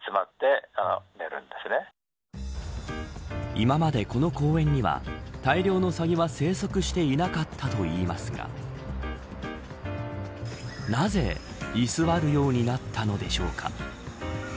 今までこの公園には大量のサギは生息していなかったといいますがなぜ居座るようになったのでしょうか。